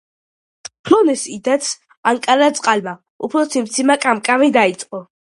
ფრონეს ისდაც ანკარა წყალმა უფრო ციმციმა-კამკამი დაიწყო.